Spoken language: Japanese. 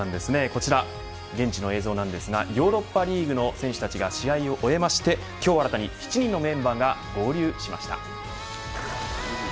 こちら現地の映像なんですがヨーロッパリーグの選手たちが試合を終えまして、今日、新たに７人のメンバーが合流しました。